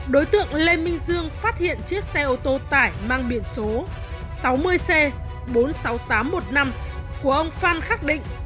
đối tượng lê minh dương phát hiện chiếc xe ô tô tải mang biển số sáu mươi c bốn mươi sáu nghìn tám trăm một mươi năm của ông phan khắc định